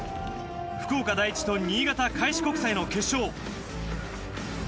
福岡第一と新潟・開志国際の決勝。